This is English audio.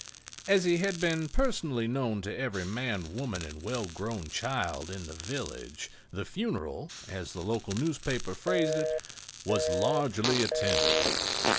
As he had been personally known to every man, woman and well grown child in the village, the funeral, as the local newspaper phrased it, "was largely attended."